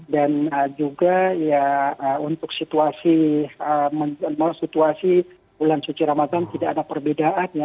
dan juga ya untuk situasi menjemur situasi bulan suci ramadan tidak ada perbedaannya